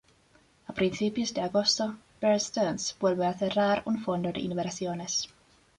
A principios de agosto Bear Stearns vuelve a cerrar un fondo de inversiones.